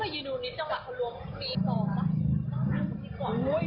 เราบอกว่าต้องถึง